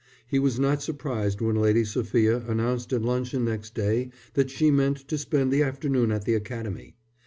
He was not surprised when Lady Sophia announced at luncheon next day that she meant to spend the afternoon at the Academy.